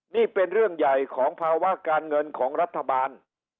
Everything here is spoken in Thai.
นี่เป็นเรื่องใหญ่ของภาวะการเงินของรัฐบาล